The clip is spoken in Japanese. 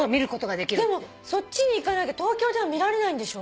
でもそっちに行かなきゃ東京では見られないんでしょ？